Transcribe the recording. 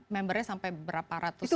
membernya sampai berapa ratus